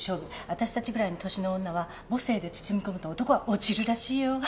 私たちぐらいの年の女は母性で包みこむと男は落ちるらしいよ。